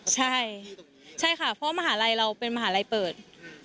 ใช่ค่ะเพราะว่ามหาวิทยาลัยเราเป็นมหาวิทยาลัยเปิด